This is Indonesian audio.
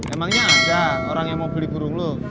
emangnya ada orang yang mau beli burung lo